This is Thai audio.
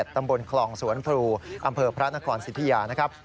ตำบลคลองสวนพลูอำเภอพระนครสิทธิยานะครับ